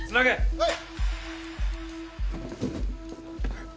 はい！